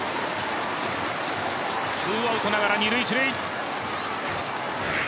ツーアウトながら、二・一塁。